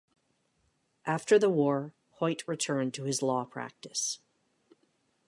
After the war, Hoyt returned to his law practice.